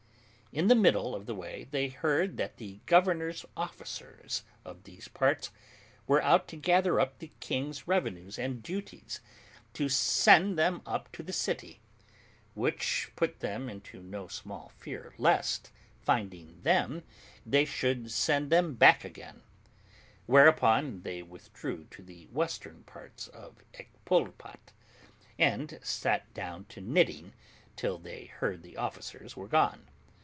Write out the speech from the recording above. In the middle of the way they heard that the governor's officers of these parts were out to gather up the king's revenues and duties, to send them up to the city; which put them into no small fear, lest, finding them, they should send them back again; whereupon they withdrew to the western parts of Ecpoulpot, and sat down to knitting till they heard the officers were gone.